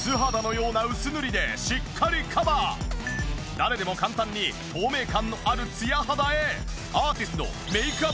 誰でも簡単に透明感のあるツヤ肌へ。